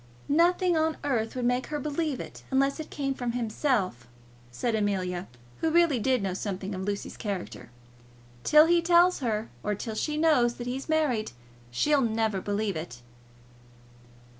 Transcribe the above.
"Nothing on earth would make her believe it, unless it came from himself," said Amelia, who really did know something of Lucy's character. "Till he tells her, or till she knows that he's married, she'll never believe it."